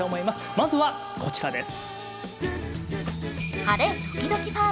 まずはこちらです。